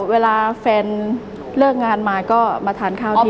เวลาแฟนเลิกงานมาก็มาทานข้าวที่